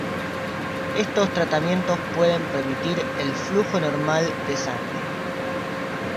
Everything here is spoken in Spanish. Estos tratamientos pueden permitir el flujo normal de sangre.